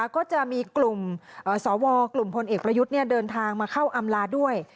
ก็จะมีกลุ่มสวกลุ่มพลเอกประยุทธ์เดินทางมาเข้าอำลาด้วย